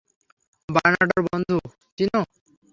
বার্নার্ডোর বন্ধু, চিনো?